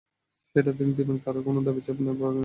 এবং সেটা তিনি দেবেন কারও কোনো দাবির চাপে নয়, আইন অনুযায়ী।